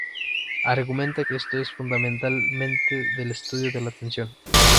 Argumenta que esto es fundamentalmente el estudio de la atención.